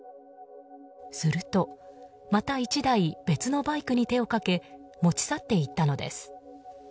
すると、また１台別のバイクに手をかけ持ち去って行ったのです。